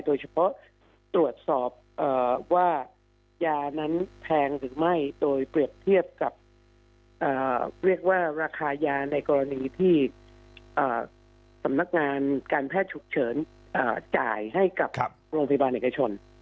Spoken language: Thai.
โดยเฉพาะตรวจสอบว่ายานั้นแพงหรือไม่โดยเปรียบเทียบกับเรียกว่าราคายาในกรณีที่สำนักงานการแพทย์ฉุกเฉินจ่ายให้กับโรงพยาบาลเอกชน